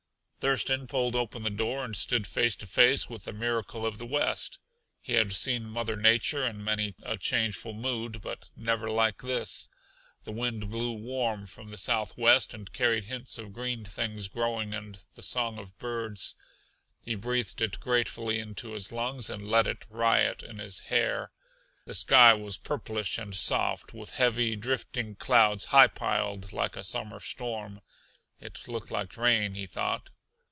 Thurston pulled open the door and stood face to face with the miracle of the West. He had seen Mother Nature in many a changeful mood, but never like this. The wind blew warm from the southwest and carried hints of green things growing and the song of birds; he breathed it gratefully into his lungs and let it riot in his hair. The sky was purplish and soft, with heavy, drifting clouds high piled like a summer storm. It looked like rain, he thought.